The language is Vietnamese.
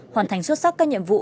hoàn thành xuất sắc các nhiệm vụ